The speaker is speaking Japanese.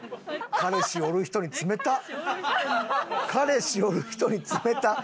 彼氏おる人に冷たっ！